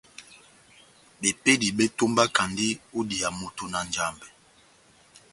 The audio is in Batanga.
Bepédi bétómbakandi ó idiya moto na Njambɛ.